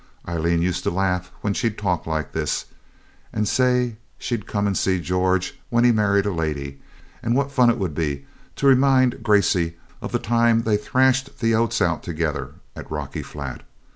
Aileen used to laugh when she talked like this, and say she'd come and see George when he'd married a lady, and what fun it would be to remind Gracey of the time they threshed the oats out together at Rocky Flat.